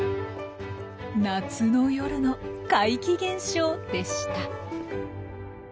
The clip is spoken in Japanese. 夏の夜の怪奇現象でした。